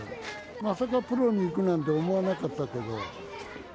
まさかプロに行くなんて思わなかったけど。